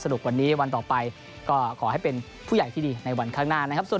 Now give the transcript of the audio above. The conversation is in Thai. วันนี้วันต่อไปก็ขอให้เป็นผู้ใหญ่ที่ดีในวันข้างหน้านะครับ